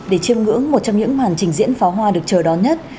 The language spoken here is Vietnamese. để chiêm ngưỡng một trong những màn trình diễn pháo hoa được chờ đón nhất